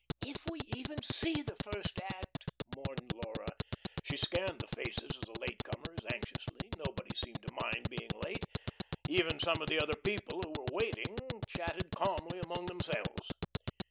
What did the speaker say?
"If we even see the first act," mourned Laura. She scanned the faces of the late comers anxiously. Nobody seemed to mind being late. Even some of the other people who were waiting, chatted calmly among themselves.